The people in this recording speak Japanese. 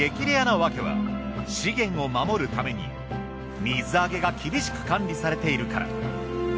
レアなわけは資源を守るために水揚げが厳しく管理されているから。